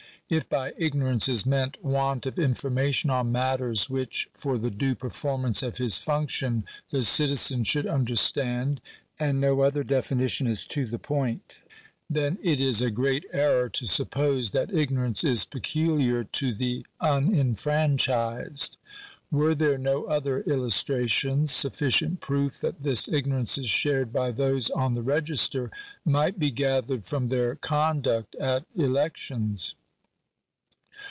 If by ignorance is meant want of information on matters which, for the due performance of his function, the citizen should understand (and no other definition is to the point), then it is a great error to suppose that ignorance is peculiar to the unenfranchised. Were there no other illustra tions, sufficient proof that this ignorance is shared by those on the register, might be gathered from their conduct at elections.